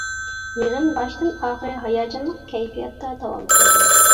يىغىن باشتىن-ئاخىر ھاياجانلىق كەيپىياتتا داۋام قىلدى.